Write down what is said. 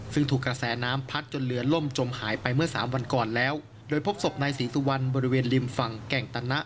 ซึ่งถูกกระแสน้ำพัดจนเหลือล่มจมหายไปเมื่อสามวันก่อนแล้วโดยพบศพนายศรีสุวรรณบริเวณริมฝั่งแก่งตะนะ